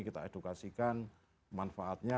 kita edukasikan manfaatnya